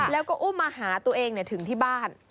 แล้วก็อุ้มมาหาตัวเองถึงที่บ้าน